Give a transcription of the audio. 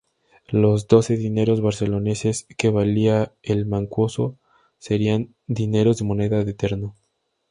Los doce dineros barceloneses que valía el mancuso serían dineros de moneda de terno.